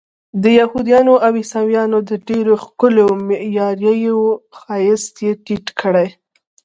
د یهودانو او عیسویانو د ډېرو ښکلیو معماریو ښایست یې تت کړی.